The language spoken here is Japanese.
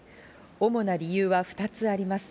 主な理由は２つあります。